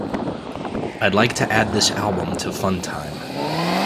I'd like to add this album to funtime.